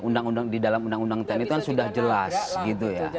undang undang di dalam undang undang tni itu kan sudah jelas gitu ya